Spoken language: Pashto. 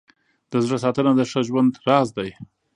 د زړه ساتنه د ښه ژوند راز دی.